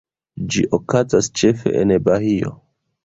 Ĝi okazas ĉefe en Bahio.